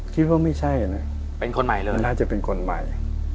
คิดว่าไม่ใช่นะครับน่าจะเป็นคนใหม่